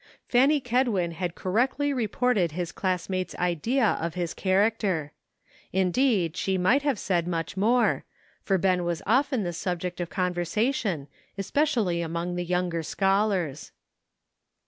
Fanny Kedwin had correctly reported his classmates' idea of his character. Indeed she might have said much more, for Ben was often the subject of conver sation, especially among the younger scholars.